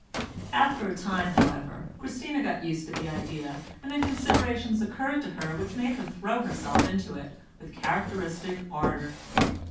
After a time, however, Christina got used to the idea, and then considerations occurred to her which made her throw herself into it with characteristic ardour.